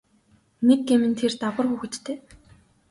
Нэг гэм нь тэр дагавар хүүхэдтэй.